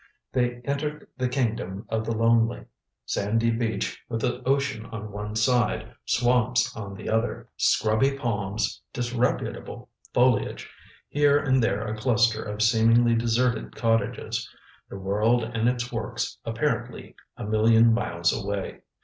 They entered the kingdom of the lonely. Sandy beach with the ocean on one side, swamps on the other. Scrubby palms, disreputable foliage, here and there a cluster of seemingly deserted cottages the world and its works apparently a million miles away.